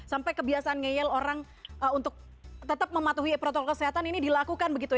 sampai kebiasaan ngeyel orang untuk tetap mematuhi protokol kesehatan ini dilakukan begitu